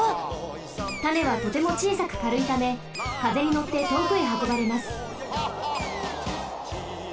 種はとてもちいさくかるいためかぜにのってとおくへはこばれます。